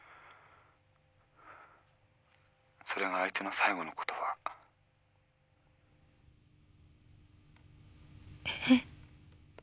それがあいつの最後の言葉。え？